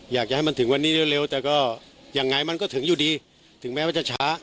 อยากจะให้มันถึงวันนี้เร็วแต่ก็ยังไงมันก็ถึงอยู่ดีถึงแม้ว่าจะช้า